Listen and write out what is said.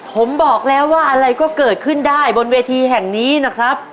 ผมบอกแล้วว่าอะไรก็เกิดขึ้นได้บนเวทีแห่งนี้นะครับ